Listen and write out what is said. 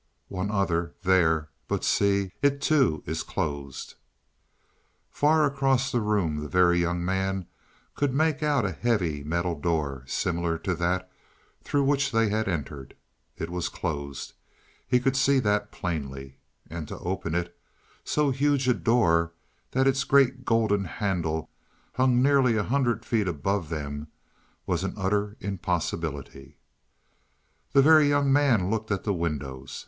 "One other, there but see, it, too, is closed." Far across the room the Very Young Man could make out a heavy metal door similar to that through which they had entered. It was closed he could see that plainly. And to open it so huge a door that its great golden handle hung nearly a hundred feet above them was an utter impossibility. The Very Young Man looked at the windows.